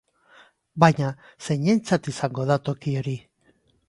Baina, zeinentzat izango da toki hori?